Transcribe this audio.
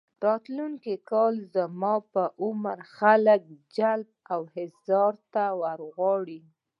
راتلونکي کال زما په عمر خلک جلب او احضار ته ورغواړي.